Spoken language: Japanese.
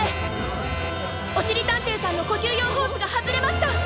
おしりたんていさんのこきゅうようホースがはずれました。